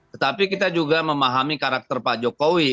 tetapi kita juga memahami karakter pak jokowi